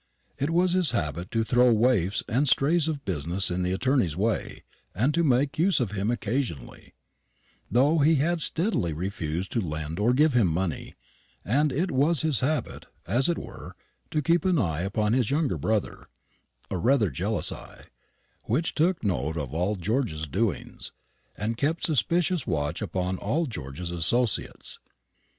It was his habit to throw waifs and strays of business in the attorney's way, and to make use of him occasionally, though he had steadily refused to lend or give him money; and it was his habit, as it were, to keep an eye upon his younger brother rather a jealous eye, which took note of all George's doings, and kept suspicious watch upon all George's associates.